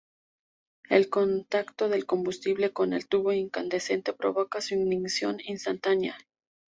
El contacto del combustible con el tubo incandescente provoca su ignición instantánea.